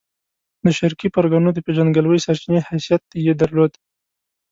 د شرقي پرګنو د پېژندګلوۍ سرچینې حیثیت یې درلود.